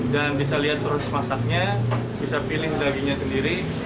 dan bisa lihat terus masaknya bisa pilih dagingnya sendiri